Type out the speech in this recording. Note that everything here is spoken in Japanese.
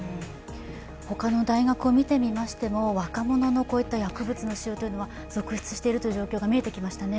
他の大学を見てみましても若者の薬物の使用が続出しているという状況が見えてきましたね